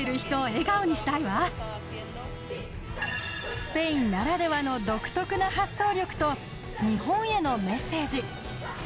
スペインならではの独特な発想力と日本へのメッセージ。